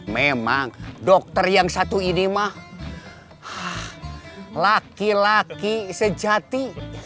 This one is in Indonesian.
memang dokter yang satu ini mah laki laki sejati